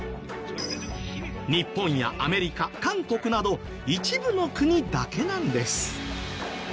日本やアメリカ韓国など一部の国だけなんです。